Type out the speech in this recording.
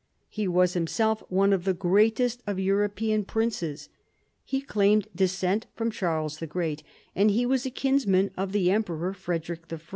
He was himself one of the greatest of European princes. He claimed descent from Charles the Great, and he was a kinsman of the Emperor Frederic I.